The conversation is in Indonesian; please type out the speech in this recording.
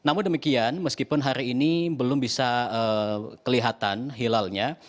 namun demikian meskipun hari ini belum bisa kelihatan hilalnya